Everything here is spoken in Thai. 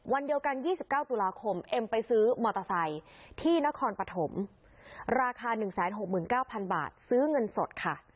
วันเดียวกัน๒๙ตุลาคมเอ็มไปซื้อมอเตอร์ไซค์ที่นครปฐมราคา๑๖๙๐๐บาทซื้อเงินสดค่ะ